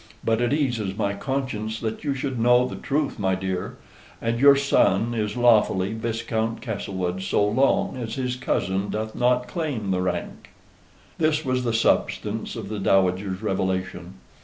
But it eases my conscience that you should know the truth, my dear. And your son is lawfully Viscount Castlewood so long as his cousin doth not claim the rank." This was the substance of the Dowager's revelation.